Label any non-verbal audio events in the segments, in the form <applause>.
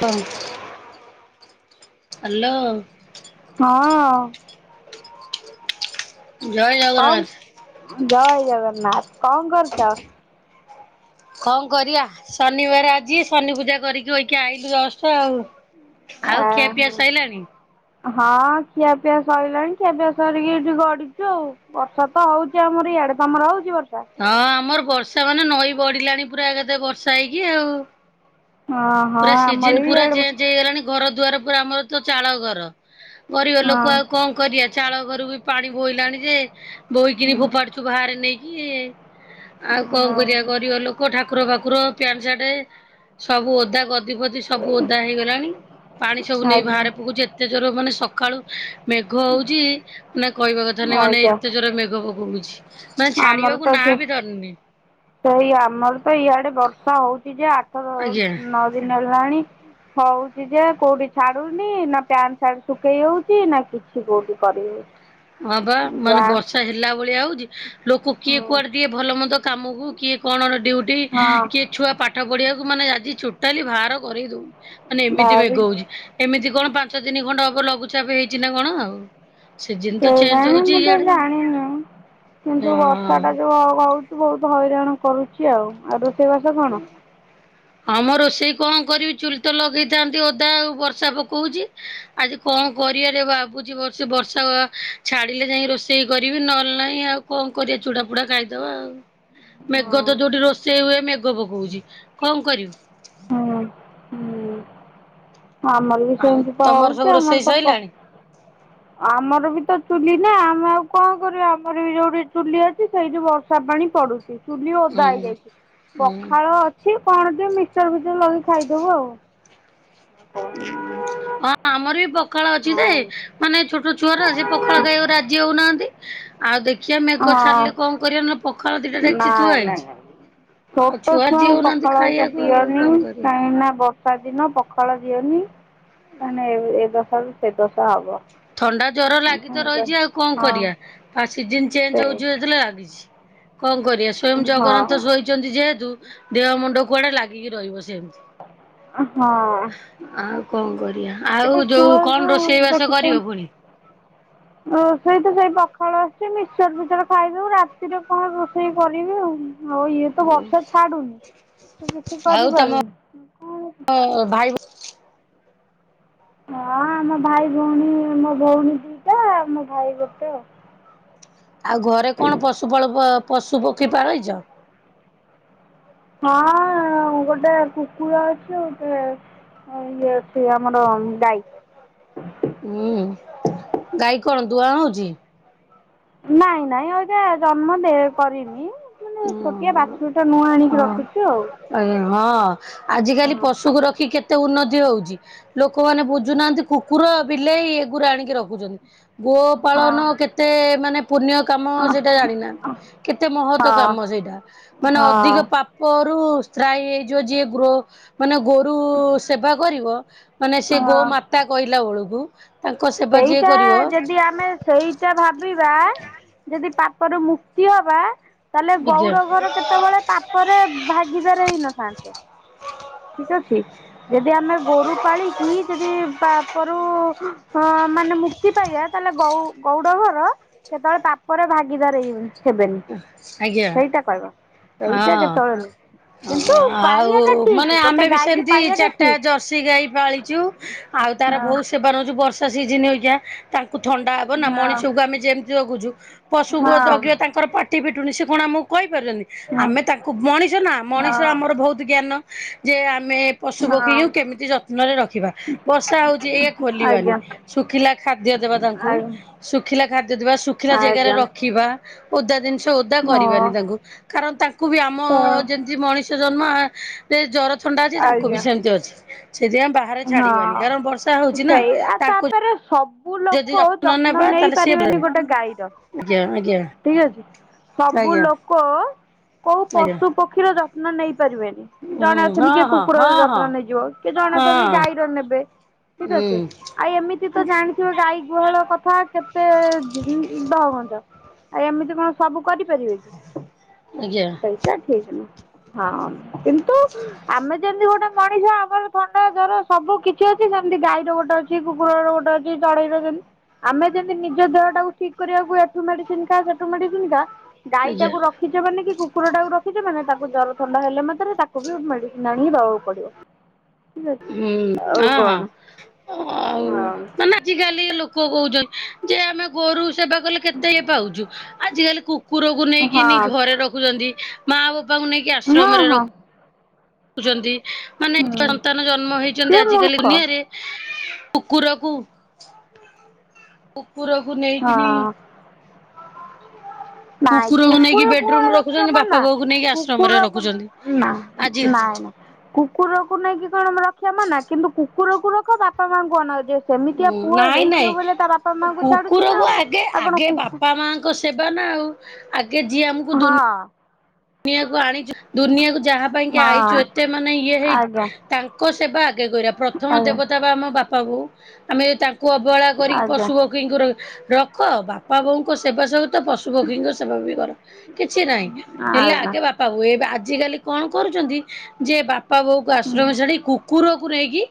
ହଁ ହାଲୋ। ହଁ। ଜୟ କଣ ଜଗନ୍ନାଥ। ଜୟ ଜଗନ୍ନାଥ। କଣ କରୁଛ? <inaudible> କଣ କରିବା ଶନିବାର ଆଜି ଶନି ପୂଜା କରିକି ବଇକି ଆଇଲୁ ଜଷ୍ଟ ଆଉ। ଆଉ ଖିଆ ପିଆ ସଇଲାଣି। ହଁ ଖିଆପିଆ ସଇଲାଣି ଖିଆପିଆ ସରିକି ଏଠି ଗଡିଛୁ ଆଉ। ବର୍ଷା ତ ହଉଛି ଆମର ଇଆଡେ ତମର ହଉଛି ବର୍ଷା? ହଁ ଆମର ବର୍ଷା ମାନେ ନଈ ବଢ଼ିଲାଣି ପୁରା ଏକାଥରେ ବର୍ଷା ହେଇକି ଆଉ। ହଁ ହଁ ପୁରା ଆମର ସିଜନ ବି ପୁରା ଇଆଡେ ଚେନ୍ସ। ହେଇଗଲାଣି ଘର ଦୁଆର ପୁରା ଆମର ତ ଚାଳ ଘର ଗରିବ ଲୋକ ହଁ। ଆଉ କଣ। କରିବା ଚାଳ ଘର ବି ପାଣି ବୋହିଲାଣି ଯେ ବୋହିକିରି ଫୋପାଡ଼ୁଛୁ ବାହାରେ ନେଇକି। ଆଉ କଣ କରିବା ଗରିବ ଲୋକ ଠାକୁର ବାକୁର ପ୍ୟାଣ୍ଟ ସାର୍ଟ ସବୁ ଓଦା। ଗଦିପଦି ସବୁ ଓଦା ହେଇଗଲାଣି ପାଣି ସବୁ ନେଇ ଆଜ୍ଞା ବାହାରେ ପକେଉଛି ଏତେ ଜୋର ମାନେ ସକାଳୁ। ମେଘ ହଉଛି ନା କହିବା କଥା ନାହିଁ ମାନେ ଆଜ୍ଞା ଏତେ ଜୋର ମେଘ ପକୋଉଛି। ମାନେ ଛାଡିବାକୁ ନାଁ ବି ଧରିନି। ସେଇଆ ଆମର ତ ଇଆଡେ ବର୍ଷା ହଉଛି ଯେ ଆଠ ଆଜ୍ଞା। ନଅ ଦିନ ହେଲାଣି। ହଉଛି ଯେ କୋଉଠି ଛାଡୁନି ନା ପ୍ୟାଣ୍ଟ ସାର୍ଟ ଶୁଖେଇ ହଉଛି ନା କିଛି କୋଉଠି କରୁନି। ହଁବା ମାନେ ବର୍ଷା ହେଲା ଭଳିଆ ହଉଛି ଲୋକ କିଏ କୁଆଡେ ଟିକେ ଭଲ ମନ୍ଦ। କାମକୁ କିଏ କଣ ଡିଉଟି କିଏ। ଛୁଆ ପାଠ ପଢିବାକୁ ମାନେ ଆଜି ଟୋଟାଲି ବାହାର କରି ଦଉନି ମାନେ ଏମିତି ଭାବି ମେଘ ହଉଛି। ଏମିତି କଣ ପାଞ୍ଚ ତିନି ଖଣ୍ଡ ହେବ ଲଘୁଚାପ ହେଇଛି ନା କଣ ଆଉ।? ସିଜିନ ତ କୋଇ ଚେଞ୍ଜ ଜାଣି ହଉଛି ମୁ ତ ଇଆଡେ ହଁ। ଜାଣିନୁ କିନ୍ତୁ ବର୍ଷା ଟା ଯୋଉ ହଉଛି। ବହୁତ ହଇରାଣ କରୁଛି ଆଉ ଆଉ ରୋଷେଇବାସ କଣ।? ହଁମ ରୋଷେଇ କଣ କରିବି ଚୁଲି ତ ଲଗେଇଥାନ୍ତି ଓଦା ଆଉ ବର୍ଷା ପକେଉଚି। ଆଜି କଣ କରିବାରେ ଭାବୁଛିବର୍ଷ ବର୍ଷା ଛାଡିଲେ ଯାଇ ରୋଷେଇ କରିବି ନହେଲେ ନାହିଁ ଆଉ। କଣ କରିବା ଚୁଡା ଫୁଡା ଖାଇଦବା ଆଉ। ମେଘ ହଁ ତ ଯୋଉଠି ରୋଷେଇ ହୁଏ ମେଘ ପକେଉଛି କଣ କରିବି। ହୁଁ ହୁଁ ଆମର ବି ଆଉ ସେମିତି ତ ତମର ସବୁ ହଉଛି ରୋଷେଇ ଆମର ତ ସଇଲାଣି? ଆମର ବି ତ ଚୁଲି ନା ଆମେ ଆଉ କଣ କରିବା ଆମର ବି ଯୋଉଠି ଚୁଲି ଅଛି ସେଇଠି ବର୍ଷ। ବର୍ଷା ପାଣି ପଡୁଛି। ଚୁଲି ଓଦା ହୁଁ ହୁଁ। ହେଇଯାଇଛି ହୁଁ। ପଖାଳ ଅଛି କଣ ଟିକେ ମିକ୍ସ ଚର ଫିକଚର ଲଗେଇଖାଇଦବୁ ଆଉ। ହଁ ଆମର ବି ପଖ ପଖାଳ ଅଛି ଯେ ହଁ ମାନେ ଛୋଟ ଛୁଆ ଗୁରା ପଖାଳ ଖାଇବାକୁ ରାଜି ହଉନାହାନ୍ତି। ଆଉ ଦେଖିବା ମେଘ ହଁ ଛାଡ଼ିଲେ କଣ କରିବା ନା ପଖାଳ ଦିଟା ଡେକିଚି ଥୁଆ ନାଇଁ ହୋଇଛି ନାଇଁ ଛୋଟ ଛୁଆଙ୍କୁ ପଖାଳ ହେରିକା ଖାଇବାକୁ ଆଉ ଦିଅନି କଣ କରିବା? କାହିଁର୍କି ନା ବର୍ଷା। କାହିଁକିନା ପଖାଳ ଦିଅନି ମାନେ ଏ ଦଶାରୁ ସେ ଦଶା ହବ। ଥଣ୍ଡା ଜ୍ଵର ଲାଗି ତ ରହିଛି ଆଉ କଣ କରିବା। ଆ ସିଜିନ ସେ ଚେଞ୍ଜ ହଉଛି <unintelligible> କଣ କରିବା ସ୍ଵୟଂ ହଁ ଜଗନ୍ନାଥ ସୋଇ ସୋଇଛନ୍ତି ଯେହେତୁ ଦେହ ମୁଣ୍ଡ କୁଆଡେ ଲାଗିକି ରହିବ ସେମିତି। ଅ ହଁ। ଆଉ କଣ କରିବା ଏବେ ଆଉ ଯୋଉ ଛୁଆକୁ କଣ ରୋଷେଇ ବାସ କରିବ ଦେଖୁଛନ୍ତି ପୁଣି। ରୋଷେଇ ତ ସେଇ ପଖାଳ ଅଛି। ମିଶ୍ଚର ଫିଶ୍ଚର ଖାଇଦେବୁ ରାତିରେ କଣ ରୋଷେଇ କରିବି ଆଉ। ହଉ ଇଏ ତ ବର୍ଷା ଛାଡୁନି ତ କିଛି କରିପାରୁନି। ହଁ ଭାଇ। ହଁ ଆମ ଭାଇ ଭଉଣୀ ମୋ ଭଉଣୀ ଦୁଇଟା ଆଉ ମୋ ଭାଇ ଗୋଟେ ଆଉ। ଆଉ ଘରେ କଣ ପଶୁପାଳକ ପଶୁ ପକ୍ଷୀ ପାଳେଇଚ? ହଁ ଗୋଟେ କୁକୁର ଅଛି ଗୋଟେ। ହଁ ଇଏ ଅଛି ଆମର ଗାଇ। ହୁଁ ଗାଈ କଣ ଦୁଆଁ ହେଉଛି। ନାଇଁ ନାଇଁ ଅବିକା ଜନ୍ମ ଦେ କରିନି। ମାନେ ଛୋଟିଆ ଓହୋ ବାଛୁୁରି ଟିଏ ନୂଆ ଆଣିକି ହଁ ରଖିଛୁ ଆଉ। ଆଜ୍ଞା ହଁ, ହଁ ଆଜିକାଲି ପଶୁକୁ ରଖି କେତେ ଉନ୍ନତି ହଉଚି? ଲୋକମାନେ ବୁଝୁନାହାନ୍ତି, କୁକୁର ବିଲେଇ ଏଗୁରା ଆଣିକି ରଖୁଚନ୍ତି। ଗୋପାଳନ କେତେ ମାନେ ପୁଣ୍ୟ କାମ, ହଁ ସେଇଟା ଜାଣିନାହାନ୍ତି, କେତେ ମହତ୍ ତ ହଁ କାମ ସେଇଟା, ମାନେ ଅଧିକ ହଁ ପାପରୁ ତ୍ରାହି ହେଇଯିବ ଯିଏ ଗ୍ରୋ ମାନେ ଗୋରୁ ସେବା କରିବ, ମାନେ ସେ ହଁ ଗୋମାତା କହିଲା ବେଳକୁ ତାଙ୍କ ସେବା ଯିଏ ସେଇଟା କରିବ ଯଦି ଆମେ ସେଇଟା ଭାବିବା, ଯଦି ପାପରୁ ମୁକ୍ତି ହବା ତାହେଲେ ଆଜ୍ଞା ଗଉଡ ଘର କେତେବେଳେ ପାପରେ ଭାଗିଦାର ହେଇନଥାନ୍ତେ? ଠିକ୍ ଅଛି? ଯଦି ଆମେ ଗୋରୁ ପାଳିକି, ଯଦି ପାପ୍ ରୁ ମାନେ ମୁକ୍ ମୁକ୍ତି ପାଇବା, ତାହେଲେ ଗଉ ଗଉଡ଼ ଘର, କେତେବେଳେ ପାପରେ ଭାଗିଦାର ହି ହେବେନି। ହେବେନି, ଆଜ୍ଞା ସେଇଟା କହିବ। ସେଇଟା ହଁ କେତେବେଳେ ନୁହେଁ କିନ୍ତୁ ପାଳିଆଟା ଆଉ ଠିକ୍। ମାନେ ଆମେ ବି ସେମିତି ଚାରିଟା ଜର୍ସି ଗାଈ ପାଳିଚୁ, ଆଉ ତାର ବହୁତ୍ ହଁ ସେବା ନଉଚୁ ବର୍ଷ୍ ତ ସିଜିନ୍ ଅଇକା। ତାଙ୍କୁ ଥଣ୍ଡା ହବ ନା? ହଁ ମଣିଷକୁ ଆମେ ଯେମିତି ଜଗୁଚୁ, ପଶୁକୁ ଜଗିବା ହଁ ତାଙ୍କର ପାଟ୍ ପାଟି ଫିଟୁନି, ସେ କଣ ଆମକୁ କହିପାରୁଚନ୍ତି? ଆମେ ତାଙ୍କୁ ମଣିଷ ନା, ହଁ ହଁ ମଣିଷ ଆମର ବହୁତ ଜ୍ଞାନ ଯେ ଆମେ ପଶୁ ହଁ ପକ୍ଷୀଙ୍କୁ କେମିତି ଯତ୍ନରେ ରଖିବା? ବର୍ଷା ହଉଚି ଏଇଆ ଖୋଲିବାନି। ଆଜ୍ଞା ଶୁଖିଲା ଖାଦ୍ୟ ଦେବା ତାଙ୍କୁ, ଆଜ୍ଞା ଶୁଖିଲା ଖାଦ୍ୟ ଦେବା, ଶୁଖିଲା ଜେଗାରେ ଆଜ୍ଞା ରଖିବା। ଓଦା ଜିନିଷ୍, ଓଦା ହଁ କରିବାନି ତାଙ୍କୁ, କାରଣ ତାଙ୍କୁ ବି ଆମ ତ ଯେମିତ୍ ମଣିଷ ଜନ୍ମ, ଜର ଥଣ୍ଡା ଅଛି, ତାଙ୍କୁ ବି ଆଜ୍ଞା ସେମିତି ଅଛି, ସେଥିପାଇଁ ଆମେ ବା ହଁ, ସେଇଆ, ତାଙ୍କୁ ତାପରେ ସବୁ ଯଦି ଲୋକ୍ ସବୁ ଲୋକ ଯତ୍ନ ନେବା ନେଇ ତାହେଲେ ସିଏ ପାରିବେନି ଗୋଟେ ଗାଈର, ଆଜ୍ଞା ଆଜ୍ଞା ଠିକ୍ ଅଛି? ସବୁ ଆଜ୍ଞା ଲୋକ କୋଉ ଆଜ୍ଞା। ପଶୁ ପକ୍ଷୀର ଯତ୍ନ ନେଇ ପାରିବେନି, ହୁଁ ଜଣେ ଅଛନ୍ତି ହଁ କିଏ ହଁ କୁକୁରର ହଁ ହଁ ଯତ୍ନ ନେଇଯିବ କି ଜଣେ ଛନ୍ତି ହଁ ଗାଈର ନେବେ, ଠିକ୍ ଅଛି? ହୁଁ ଆଉ ଏମିତି ତ ଜାଣିଥିବ ଗାଈ ଗୁହାଳ କଥା, କେତେ ଦ ଦହଗଞ୍ଜ। ଆଉ ଏମିତି କଣ ସବୁ କରିପାରିବେ କି, ଆଜ୍ଞା ସେଇଟା ଠିକ୍ ନୁହୁଁ। ହଁ, କିନ୍ତୁ ଆମେ ଯେମିତି ଗୋଟେ ମଣିଷ ଆମର ଘର୍ ମଣିଷର ସବୁ କିଛି ଅଛି, ସେମିତି ଗାଈର ଗୋଟେ ଅଛି, କୁକୁରର ଗୋଟେ ଅଛି, ଚଢେଇ ର ଯେମିତି ଆମେ ଯେମିତି ନିଜ ଦେହଟାକୁ ଠିକ୍ କରିବାକୁ ଏଠୁ ମେଡିସିନ୍ ଖା, ସେଠୁ ମେଡିସିନ୍ ଖା ଗାଈ ଆଜ୍ଞା ଟାକୁ ରଖିଛ ମାନେ, କି କୁକୁର ଟାକୁ ରଖିଛ ମାନେ, ତାକୁ ଜ୍ୱର ଥଣ୍ଡା ହେଲେ ନା ତାକୁ ବି ମେଡ଼ିସିନ୍ ଆଣିକି ଦବାକୁ ପଡିବ। ଠିକ ଅଛି। ହୁଁ, ଆଉ ହଁ ହଁ, କଣ ଆଉ ହଁ ମାନେ ଆଜି କାଲି ଲୋକ କହୁଚନ୍ତି, ଯେ ଆମେ ଗୋରୁ ସେବା କଲେ କେତେ କେତେ ହଉଚୁ, ଆଜିକାଲି କୁକୁରକୁ ନେଇକିନି ହଁ ଘରେ ରଖୁଚନ୍ତି, ମା ବୋପାଙ୍କୁ ନେଇକି କିଏ ହଁ ଆଶ୍ରମରେ ହଁ ରଖ୍ ରଖୁଚନ୍ତି, ମାନେ ହୁଁ ସନ୍ତାନ ଜନ୍ମ ହେଇଚନ୍ତି ସିଏ ଆଜିକାଲି ମୂର୍ଖ ଦୁନିଆରେ କୁକୁରକୁ କୁକୁରକୁ ନେଇକିନି ହଁ ନାଇଁ ନେଇକି କୁକୁରକୁ ବେଡରୁମ କଣ ରଖିବା ରଖୁଛନ୍ତି ବାପା ମନା, ବୋଉକୁ ନେଇକି ଆଶ୍ରମରେ କୁକୁରକୁ ରଖୁଛନ୍ତି। ନା ଆଜି ନାଇଁ ନାଇଁ କୁକୁରକୁ ନେଇକି କଣ ରଖିବା ମନା କିନ୍ତୁ କୁକୁରକୁ ରଖ, ବାପା ମାଙ୍କୁ ଅନାଅ ଯେ ସେମିତିଆ ପୁଅ ନାଇଁ ହେଇଥିବ ନାଇଁ, ବୋଲି ତା ବାପା ମାଙ୍କୁ ଛାଡୁଛି ନା ଆଉ କୁକୁରକୁ ଆଗେ, ଆଉ କଣ ଆଗେ କୁକୁ ବାପା ମା ଙ୍କ ସେବା ନା ଆଉ ଆଗେ ଯିଏ ହଁ। ଆମକୁ ଦୁନି ହଁ ନିଆକୁ ଆଣିଚୁ ଦୁନିଆକୁ ଯାହା ପାଇଁ କି ଆଇଛୁ ଏତେ ମାନେ ଇଏ ହେଇ ଆଜ୍ଞା ତାଙ୍କ ସେବା ଆଗେ କରିବା ପ୍ରଥମ ଆଜ୍ଞା ଦେବତା ବା ଆମ ବାପା ବୋଉ। ଆମେ ତା ଙ୍କୁ ଅବହେଳା କରିକି ଆଜ୍ଞା ପଶୁପ ଆଜ୍ଞା। ପକ୍ଷୀଙ୍କୁ ର-ରଖ ବାପା ବୋଉଙ୍କ ସେବା ସହିତ ପଶୁ ପକ୍ଷୀଙ୍କ ସେବା ବି କର। କିଛି ନାହିଁ, ହେଲେ ଆଗେ ବାପା ବୋଉ ଏବେ ଆଜିକାଲି କଣ କରୁଛନ୍ତି ଯେ ବା ପା ବୋଉ କୁ ଆଶ୍ରମ ଛାଡି କୁକୁର କୁ ନେଇକି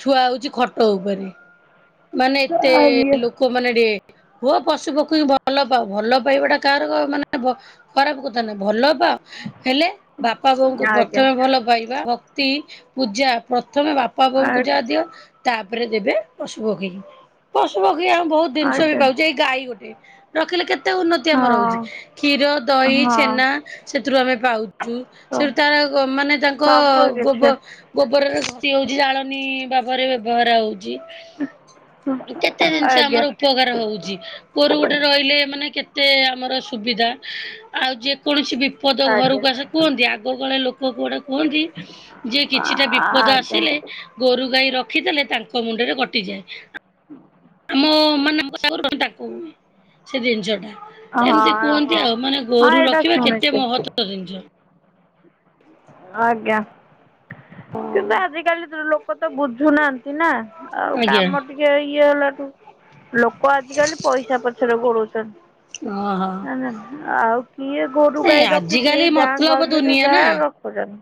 ଛୁଆ ହଉଛି ଖଟ ଉପରେ, ମାନେ ଏତେ ଆଜ୍ଞା ଲୋ କ ମାନେ ଏଠି ହୁଅ ପଶୁ ପକ୍ଷୀଙ୍କୁ ଭଲ ପାଅ, ଭଲ ପାଇବାଟା କାହାର କ-ମାନେ ଭ- ଖରାପ କ ମାନେ ଭଲ ପାଅ ହେଲେ ବାପା ବୋଉଙ୍କୁ ଆଜ୍ଞା ଆଜ୍ଞା ପ୍ରଥମେ ଭଲ ପାଇବା। ଭ ତି ପୂଜା ପ୍ରଥମେ ବାପା ବୋଉଙ୍କୁ ଯା ଦିଅ ତାପରେ ଦେବେ ପଶୁ ପକ୍ଷୀଙ୍କୁ। ପଶୁ ପକ୍ଷୀ ଆମେ ବହୁତ ଦିନିଷ ବି ଆଜ୍ଞା ପାଉଚେ ଏଇ ଗାଈ ଗୋଟେ ରଖିଲେ କେତେ ଉନ୍ନତି ଆମର ହଉଛି। କ୍ଷୀର, ହଁ ଦହି ନା ସେଥିରୁ ଆମେ ପାଉଛୁ। ହଁ ସେଠୁ ତାର ଆଉ ଗ-ମାନେ ତାଙ୍କ ସବୁ ଗୋବ କିଛି ଗୋବରରେ ଘସି ହଉଛି ଜାଳେଣୀ ଭାବରେ ବ୍ୟବହାର ହଉଛି। କେତେ ଜିନିଷ ଆଜ୍ଞା ଆମର ଉ ପକାର ହଉଛି ଗୋରୁ ଗୋଟେ ରହିଲେ ମାନେ କେତେ ଆମର ସୁବିଦା। ଆଉ ଯେକୌଣସି ବିପଦ ଆଜ୍ଞା। ଘରକୁ ଆସେ କୁହନ୍ତି ଆଗ କାଳେ ଲୋକ କୁଆଡେ କୁହନ୍ତି ଯେ କିଛିଟା ବିପଦ ଆଜ୍ଞା ଆସିଲେ ଗୋରୁ ଗାଈ ରଖିଦେଲେ ତାଙ୍କ ମୁଣ୍ଡରେ କଟିଯାଏ। ହଁ <inaudible> ଆମ ମାନେ ଆମକୁ <inaudible> ତାକୁ ସେ ଦିନିଷ ଟା। ହଁ ଏମିତି ହଁ କୁହନ୍ତି ହଁ ଆଉ ମାନେ ଗୋରୁ ଏଇଟା ରଖିବା କେତେ ଶୁଣିଛି ମହତ୍ତ୍ଵ ଜିନିଷ। ହଁ। ଆଜ୍ଞା କିନ୍ତୁ ଆଜିକାଲି ତି-ଲୋକ ତ ବୁଝୁନାହାନ୍ତି ନା। ଆଉ ଆଜ୍ଞା କାମ ଟିକେ ଇଏ ହେଲାଠୁ ଲୋକ ଆଜିକାଲି ପଇସା ପଛରେ ଗୋଡଉଚନ୍। ଓ ହଁ। ନାହା ଆଉ କିଏ ଗୋରୁ ଗାଈ ରଖୁଛି ଆଜିକାଲି ଏଇ ଗାଁ ମତଲବ ଗାଉଲିରେ ଯାହା ରଖୁଚନ୍।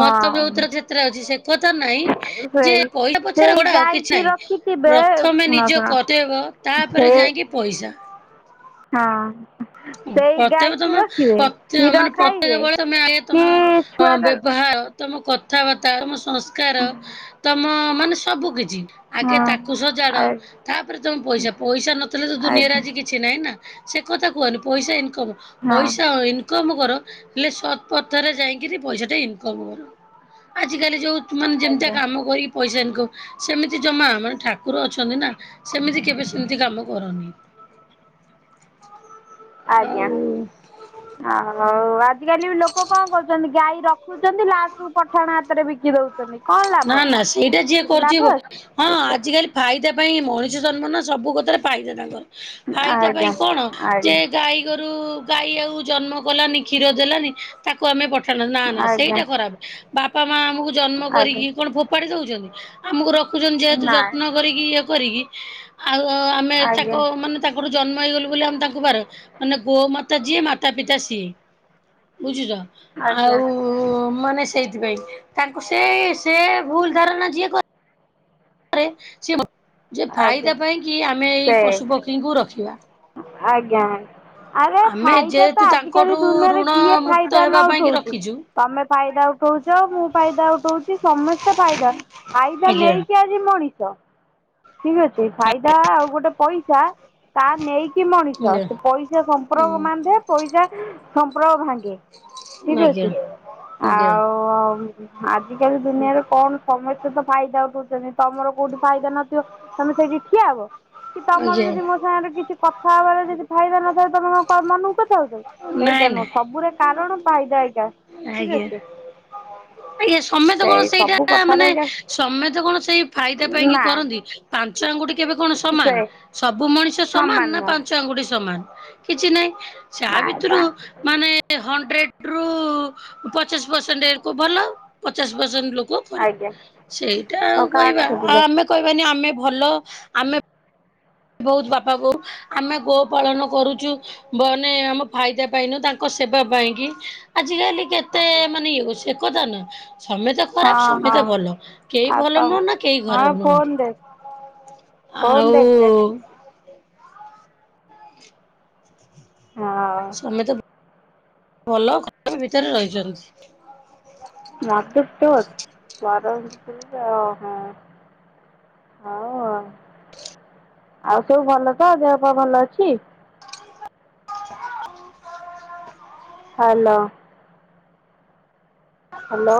ମତ ବହୁତର କ୍ଷେତ୍ର ଅଛି ସେ କଥା ନାଇଁ ଯେ ସେଇ ପଇସା ପଛରେ ସେଇ ଗୋଡ଼ାଅ ଗାଈ କିଛି କି ନାହିଁ। ରଖିଥିବେ ପ୍ରଥମେ ଶୁଣ ନିଜ ଶୁଣ କର୍ତ୍ତବ୍ୟ ସେ ତାପରେ ଯାଇକି ପଇସା। ହଁ। ଉଁ, ସେଇ ପ୍ରତ୍ୟେକ ଗାଈକି ତୋମ ରଖିବେ ପ୍ରତ୍ୟେ କ୍ଷୀର ମାନେ ପ୍ରତ୍ୟେକ ଖାଇବେ ବଳେ ତୋମେ ଆଗେ କି ତୋମଅ, ଛୁଆ ଦେବେ ବ୍ୟବହାର ତୋମ କଥାବାର୍ତ୍ତା, ତୋମ ସଂସ୍କାର ତୋମ ମାନେ ସବୁ କିଛି। ଆଗେ ହଁ ତାକୁ ସଜାଡ। ଆ ତାପରେ ତୋମେ ପଇସା, ପଇସା ନଥିଲେ ତ ଦୁନିଆରେ ଆଜି ଆଜ୍ଞା କି ଛି ନାଇଁ ନା। ସେ କଥା କୁହନି ପଇସା ଇନକମ, ହଁ ପଇସା ଅ, ଇନ କମ କର ହେଲେ ସରତ ପଥରେ ଯାଇକିରି ପଇସାଟା ଇନକମ କର। ଆଜିକାଲି ଯୋଉ ମାନେ ଯେମିତିଆ ଆଜ୍ଞା କାମ କରିକି ପଇସା ଇନକ ସେମିତି ଜମା ମାନେ ଠାକୁର ଅଛନ୍ତି ନା ସେମିତି କେବେ ସେମିତି କାମ କରନି। ଆଜ୍ଞା ଆଉ ଆଉ ଆଜିକାଲି ବି ଲୋକ କଣ କରୁଛନ୍ତି ଗାଈ ର ଖୁଛନ୍ତି ଲାଷ୍ଟ କୁୁ ପଠାଣ ହାତରେ ବିକି ଦଉ ଚନି କଣ ଲା ନା ନା ସେଇଟା ଯିଏ କରୁଚି ବ- ହଁ ଅଛି ଆଜିକାଲି ଫାଇଦା ପାଇଁ ଏ ମଣିଷ ଜନ୍ମ ନା ସବୁ କଥାରେ ଫାଇଦା ତାଙ୍କର। ଫାଇଦା ପାଇଁ ଆଜ୍ଞା କଣ ଯେ ଆଜ୍ଞା ଗାଈଗୋରୁ ଗାଈ ଆଉ ଜନ୍ମ କଲାନି କ୍ଷୀର ଦେଲାନି ତାକୁ ଆମେ ପଠାନ ନା ନା ଆଜ୍ଞା ସେଇଟା ଖରାପ, ବାପା ମା ଆମକୁ ଜନ୍ମ ଆଜ୍ଞା କରିକି କଣ ଫୋପାଡ଼ି ଦଉଚନ୍ତି ଆମକୁ ରଖୁଛନ୍ତି ଯେହେତୁ ନାଇଁ ଯତ୍ନ କରିକି ଇଏ କରିକି ଆଉ ଆମେ ଆଜ୍ଞା ଚାକ ମାନେ ତାଙ୍କଠୁ ଜନ୍ମ ହେଇଗଲୁ ବୋଲି ଆମେ ତାଙ୍କୁ ବାହ ମାନେ ଗୋ ମାତା ଯିଏ ମାତା ପିତା ସିଏ। ବୁଝୁଚ? ଆଜ୍ଞା ଆଉ ମାନେ ସେଇଥିପାଇଁ ତାଙ୍କୁ ସେ ସେ ଭୁଲ ଧାରଣା ଯିଏ କରେ ଆଜ୍ଞା ସେଫାଇଦା ପାଇଁକିି ଆମେ ଏଇ ସେ ପଶୁ ପକ୍ଷୀଙ୍କୁ ରଖିବା। ଆଜ୍ଞା। ଆରେ ଆମେ ଫାଇଦାତ ଯେହେତୁ ଆଜିକାଲି ତାଙ୍କଠୁ ଦୁନିଆରେ ଋଣ କିଏ ମୁକ୍ତ ହେବା ଫାଇଦାନ ପାଇଁ କି ଉଠଉଚ। ରଖିଛୁ। ତମେ ଫାଇଦା ଉଠଉଚ ମୁଁ ଫାଇଦା ଉଠଉଚି ସମସ୍ତେ ଫାଇଦା ଫାଇଦା ଆଜ୍ଞା ନେଇକି ଆ ସେ ମଣିଷ। ଠିକ୍ ଅଛି ଫାଇଦା ଆଉ ଗୋଟେ ପଇସା ତା ନେଇକି ମଣିଷ ଆଜ୍ଞା ସେପଇସା ସମ୍ପ୍ରକ ବାନ୍ଧେ ପଇସା ସମ୍ପ୍ରକ ଭାଙ୍ଗେ। ଠିକ୍ ଆଜ୍ଞା ଅଛି ଆଜ୍ଞା ଆଉ ଆଜିକାଲି ଦୁନିଆରେ କଣ ସମସ୍ତେତ ଫାଇଦା ଉଠଉଚନ୍ତି ତମର କୋଉଠି ଫାଇଦା ନଥିବ ତମେ ସେଇଠି ଠିଆ ହବ କିତମରବି ଆଜ୍ଞା। ଯଦି ମୋ ସାଙ୍ଗରେ କିଛି କଥା ହବାର ଯଦି ଫାଇଦା ନଥା ତଙ୍କ ମନକୁ କଥାଉଚନ୍ତି ନାଇଁ ସେଇଟା ନୁହଁ ନାଇଁ ସବୁରେ କାରଣ ଫାଇଦା ଏଇଟା। ଠିକ୍ ଅଛି। ଏଇ ସମେ କଣ ସେଇ ସେଇଟା ସବୁ କଥାରେ ମାନେ ଆଜ୍ଞା ସମେତେ କଣ ସେଇ ଫାଇଦା ପାଇଁକି ନା କରନ୍ତି? ପାଞ୍ଚ ଆଙ୍ଗୁଠି କେବେ କଣ ସମାନ ସେ ସବୁ ମଣିଷ ସମାନ ନା ପାଞ୍ଚ ଆଙ୍ଗୁଠି ସମାନ। କିଛି ନାହିଁ ନାଇଁ ତାଭିତରୁ ପା ମାନେ ହଣ୍ଡ୍ରେଡରୁ ପଚାଶେ ପରସେଣ୍ଟ ଭଲ ପଚାଶେ ପରସେଣ୍ଟ ଲୋ ଆଜ୍ଞା ସେଇଟା ଆଉ ହଉ କାଟ କହିବା ସେପଟୁ ଆଉ ବେ ଆମେ କହିବାନି ଆମେ ଭଲ ଆମେ ବହୁତ୍ ବାପା ବୋଉ ଆମେ ଗୋ ପାଳନ କରୁଚୁ ମାନେ ଆମ ଫାଇଦା ପାଇଁନୁ ତାଙ୍କ ସେବା ପାଇଁକିି ଆଜିକାଲି କେତେ ମାନେ ଇଏ ସେକଥା ନୁହଁ ସମେତ ଖରାପ୍ ହଁ ହଁ ସମେତ ଭଲ କେହି ଆଉ ତ ଭଲ ନୁହଁ ନା କେହି ହଁ ଖରାପ୍ ନୁହ। ଫୋନ୍ ଦେଖିଦେ <inaudible> ହଁ। ସମେତେ ଭଲ ଖରାପ୍ ଭିତରେ ରହିଚନ୍ତି। ମାତୃତ୍ଵ ଅଛି <unintelligible> ହଁ ଆଉ ସବୁ ଭଲତ ଦେଖପା ଭଲ ଅଛି? <unintelligible> ହାଲୋ। ହାଲୋ।